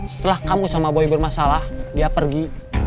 setelah kamu sama boy bermasalah dia pergi